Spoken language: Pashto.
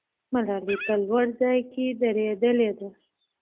ملالۍ په لوړ ځای کې ودرېدلې ده.